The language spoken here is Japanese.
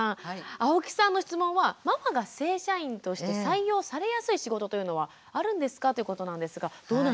青木さんの質問は「ママが正社員として採用されやすい仕事というのはあるんですか？」ということなんですがどうなんでしょう？